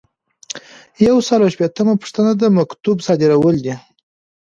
یو سل او شپیتمه پوښتنه د مکتوب صادرول دي.